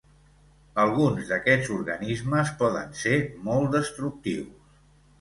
Alguns d'aquests organismes poden ser molt destructius.